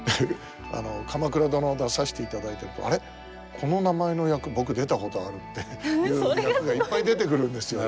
「鎌倉殿」出させていただいてると「あれ？この名前の役僕出たことある」っていう役がいっぱい出てくるんですよ。